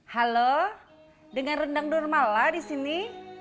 halo dengan rendang normala disini